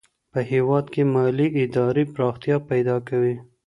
په هېواد کي مالي ادارې پراختيا پيدا کوي.